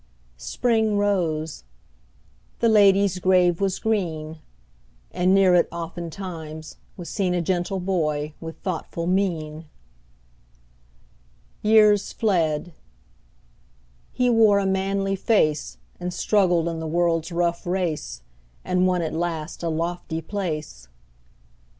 Spring rose; the lady's grave was green; And near it, oftentimes, was seen A gentle boy with thoughtful mien. Years fled; he wore a manly face, And struggled in the world's rough race, And won at last a lofty place.